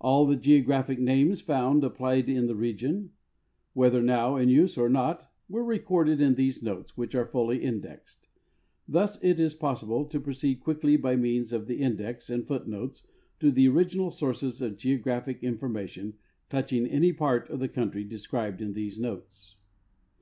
All the geographic names found applied in the region, whether now in use or not, were recorded in these notes, which are fully indexed. Thus it is possible to proceed quickl}^ by means of the index and foot notes to the original sources of geographic information touching any part of the country described in these notes.